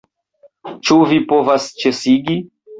Ĉu vi povas ĉesigi?